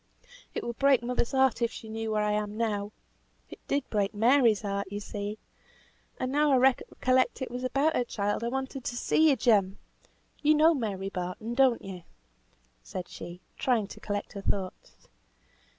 It would break mother's heart if she knew what I am now it did break Mary's heart, you see. And now I recollect it was about her child I wanted so to see you, Jem. You know Mary Barton, don't you?" said she, trying to collect her thoughts.